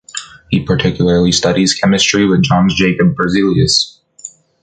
He particularly studies chemistry with Jöns Jakob Berzelius.